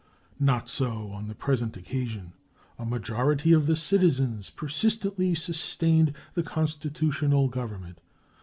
Not so on the present occasion. A majority of the citizens persistently sustained the constitutional Government.